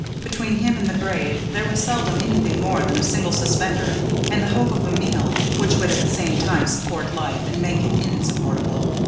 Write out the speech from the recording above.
Between him and the grave there was seldom anything more than a single suspender and the hope of a meal which would at the same time support life and make it insupportable.